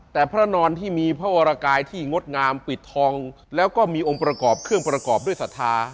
แต่พระนอนที่มีพระวรกายที่งดงามปิดทองแล้วก็มีองค์ประกอบเครื่องประกอบด้วยศรัทธา